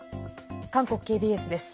韓国ＫＢＳです。